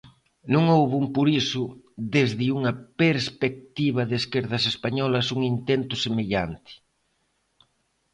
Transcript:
Non houbo, emporiso, desde unha perspectiva de esquerdas españolas un intento semellante.